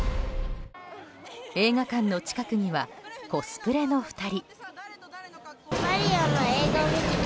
映画館の近くにはコスプレの２人。